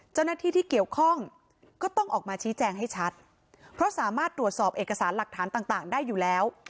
เจ้าหน้าที่ที่เกี่ยวข้องก็ต้องออกมาชี้แจงให้ชัดเพราะสามารถตรวจสอบเอกสารหลักฐานต่างได้อยู่แล้ว